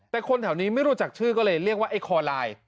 แต่คนแถวนี้ไม่รู้จักชื่อก็เลยเรียกว่าไอ้คอลาย